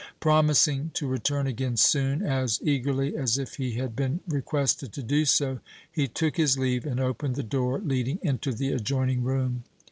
Promising to return again soon, as eagerly as if he had been requested to do so, he took his leave and opened the door leading into the adjoining room.